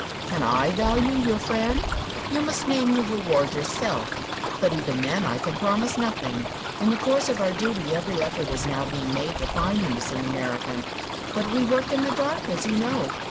"Can I value your friend? You must name the reward yourself. But even then I can promise nothing. In the course of our duty every effort is now being made to find the missing American. But we work in the dark, as you know.